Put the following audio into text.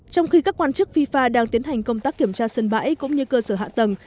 trong khi các quan chức fifa đang tiến hành công tác kiểm tra sân bãi cũng như cơ sở hạ tầng